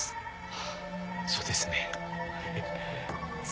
はあそうですね。